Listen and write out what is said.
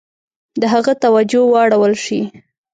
د هغه توجه واړول شي.